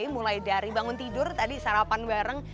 mulai dari bangun tidur tadi sarapan bareng